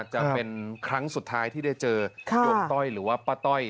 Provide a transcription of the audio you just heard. จะเป็นครั้งสุดท้ายที่ได้เจอโยมต้อยหรือว่าป้าต้อย